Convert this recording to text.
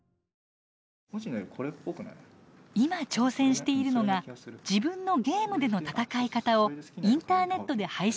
今挑戦しているのが自分のゲームでの戦い方をインターネットで配信すること。